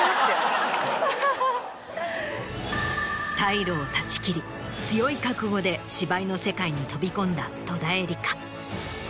退路を断ち切り強い覚悟で芝居の世界に飛び込んだ戸田恵梨香。